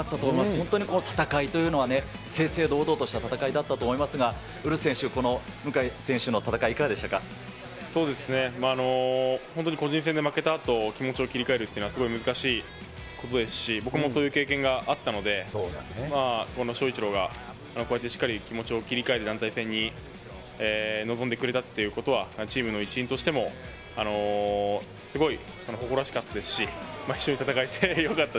本当に戦いというのは、正々堂々とした戦いだったと思いますが、ウルフ選手、この向選手の戦い、そうですね、本当に個人戦で負けたあと、気持ちを切り替えるっていうのは、すごい難しいことですし、僕もそういう経験があったので、この翔一郎がこうやってしっかり気持ちを切り替えて、団体戦に臨んでくれたっていうことは、チームの一員としてもすごい誇らしかったですし、一緒に戦えてよ